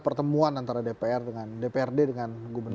pertemuan antara dpr dengan dprd dengan gubernur